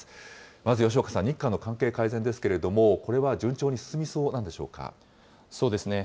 まず吉岡さん、日韓の関係改善ですけれども、これは順調に進みそうなんでしょうそうですね。